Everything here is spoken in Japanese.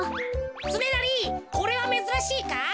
つねなりこれはめずらしいか？